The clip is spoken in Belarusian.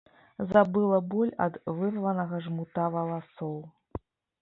Забыла боль ад вырванага жмута валасоў.